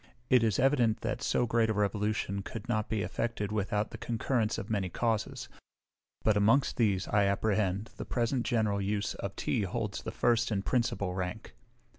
It is evident that so great a revolution could not be effected without the concurrence of many causes; but amongst these, I apprehend, the present general use of tea holds the first and principal rank.